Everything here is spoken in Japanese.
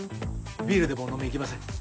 ビールでも飲みにいきません？